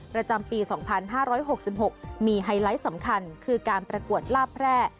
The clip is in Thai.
ประจำปี๒๕๖๖มีไฮไลท์สำคัญคือการประกวดลาบแพร่